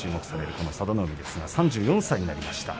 この佐田の海ですが３４歳になりました。